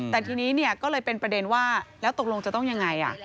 แต่ทีนี้ก็เลยเป็นประเด็นว่าแล้วตกลงจะต้องยังไง